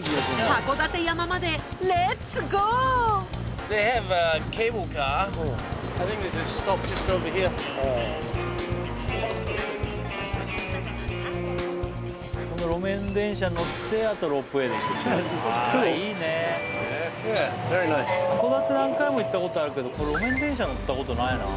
函館何回も行ったことあるけど路面電車乗ったことないなぁ。